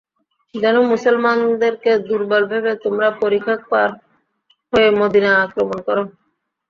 যেন মুসলমানদেরকে দুর্বল ভেবে তোমরা পরিখা পার হয়ে মদীনা আক্রমণ কর।